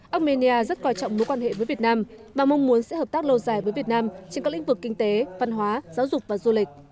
armenia rất coi trọng mối quan hệ với việt nam và mong muốn sẽ hợp tác lâu dài với việt nam trên các lĩnh vực kinh tế văn hóa giáo dục và du lịch